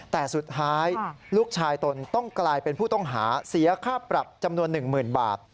แต่สุดท้ายลูกชายตนต้องกลายเป็นผู้ต้องหาเสียค่าปรับจำนวน๑๐๐๐บาท